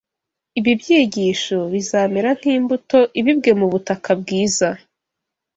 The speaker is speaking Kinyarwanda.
Ibi byigisho bizamera nk’imbuto ibibwe mu butaka bwiza,